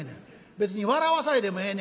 別に笑わさいでもええねやがな」。